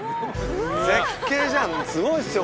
絶景じゃんすごいですよ